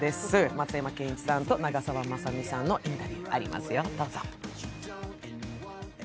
松山ケンイチさんと長澤まさみさんのインタビューがありますよ、どうぞ。